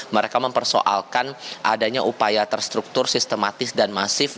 mereka mempersoalkan adanya upaya terstruktur sistematis dan masif